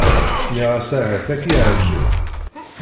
Nniɣ-as ahat ad k-yeεǧeb.